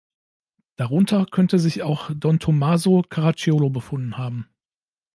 Darunter könnte sich auch Don Tommaso Caracciolo befunden haben.